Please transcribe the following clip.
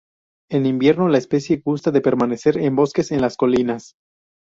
En invierno, la especie gusta de permanecer en bosques en las colinas.